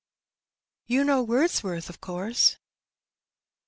" You know Wordsworth, of course